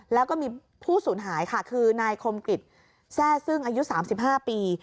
แล้วก็มีผู้สูญหายค่ะคือนายคมกิจแซ่ซึ่งอายุสามสิบห้าปี